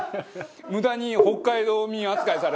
無駄に北海道民扱いされ。